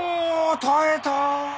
耐えた！